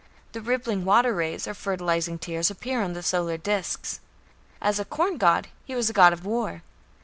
The rippling water rays, or fertilizing tears, appear on the solar discs. As a corn god, he was a god of war.